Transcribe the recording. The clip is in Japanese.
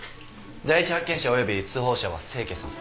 第一発見者および通報者は清家さん。